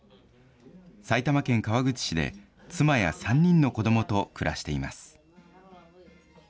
埼玉県川口市で妻や３人の子どもと暮らしています。